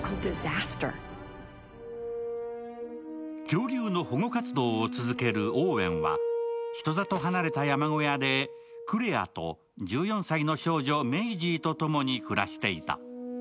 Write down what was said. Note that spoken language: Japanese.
恐竜の保護活動を続けるオーウェンは、人里離れた山小屋でクレアと１４歳の少女、メイジーとともに暮らしていた。